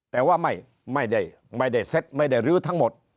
แต่ว่าไม่ได้เซ็ตไม่ได้ลื้อทั้งหมด